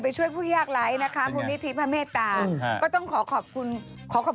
ช่วยผู้ยากไร้นะคะมูลนิธิพระเมตตาก็ต้องขอขอบคุณขอขอบคุณ